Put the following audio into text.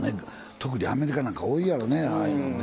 特にアメリカなんか多いやろねああいうのね。